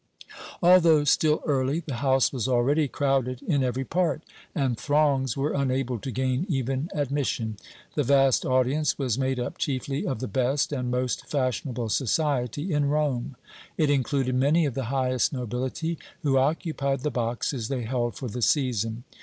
Although still early the house was already crowded in every part, and throngs were unable to gain even admission. The vast audience was made up chiefly of the best and most fashionable society in Rome. It included many of the highest nobility, who occupied the boxes they held for the season.